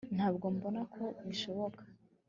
ntabwo mbona ko bishoboka